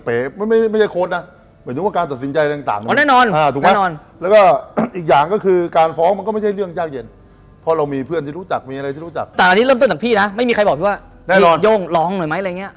พี่บอกพี่ว่าพี่โย่งร้องหน่อยไหมอะไรอย่างเงี้ย